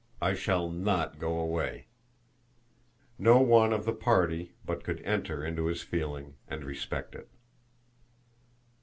I shall not go away!" No one of the party but could enter into his feeling, and respect it.